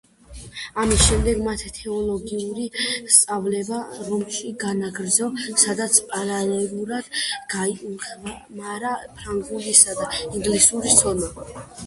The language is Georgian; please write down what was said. ამის შემდეგ, მან თეოლოგიური სწავლება რომში განაგრძო, სადაც პარალელურად გაიღრმავა ფრანგულისა და ინგლისურის ცოდნა.